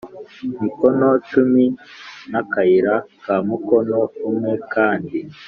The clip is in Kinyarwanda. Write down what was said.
mikono cumi n akayira ka mukono umwe kandi